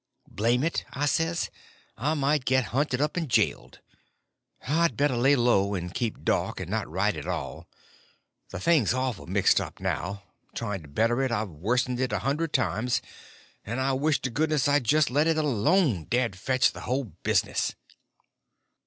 Blame it, I says, I might get hunted up and jailed; I'd better lay low and keep dark, and not write at all; the thing's awful mixed now; trying to better it, I've worsened it a hundred times, and I wish to goodness I'd just let it alone, dad fetch the whole business!